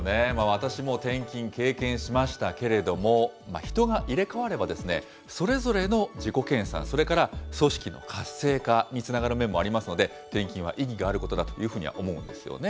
私も転勤経験しましたけれども、人が入れ代われば、それぞれの自己研さん、それから組織の活性化につながる面もありますので、転勤は意義があることだというふうには思うんですよね。